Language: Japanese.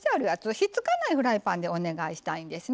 引っ付かないフライパンでお願いしたいんですね。